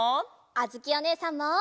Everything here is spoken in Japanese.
あづきおねえさんも。